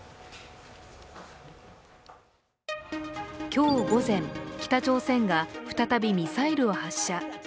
今日午前、北朝鮮が再びミサイルを発射。